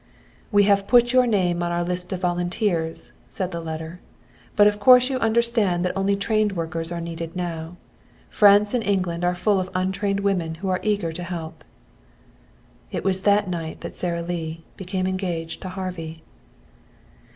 "We have put your name on our list of volunteers," said the letter, "but of course you understand that only trained workers are needed now. France and England are full of untrained women who are eager to help." It was that night that Sara Lee became engaged to Harvey.